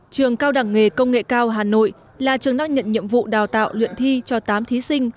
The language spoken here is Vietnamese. trường cao đẳng nghề công nghệ cao hà nội là trường đang nhận nhiệm vụ đào tạo luyện thi cho tám thí sinh